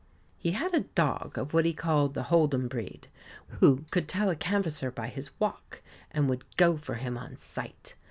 He had a dog of what he called the Hold'em breed, who could tell a canvasser by his walk, and would go for him on sight.